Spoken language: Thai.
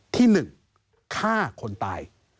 ที่หนึ่งฆ่าคนตาย